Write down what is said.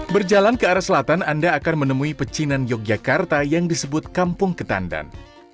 berjalan ke arah selatan anda akan menemui pecinan yogyakarta yang disebut kampung ketandan